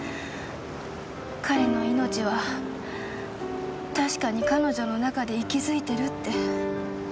彼の命は確かに彼女の中で息づいてるって。